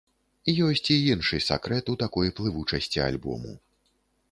Ёсць і іншы сакрэт у такой плывучасці альбому.